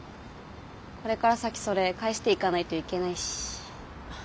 これから先それ返していかないといけないし。